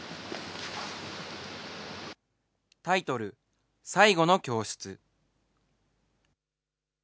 タイトル、最後の教室。